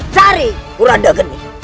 cari ura dageni